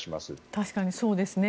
確かにそうですね。